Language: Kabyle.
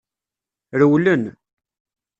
Rewlen.